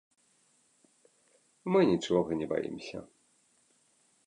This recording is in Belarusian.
Мы нічога не баімся.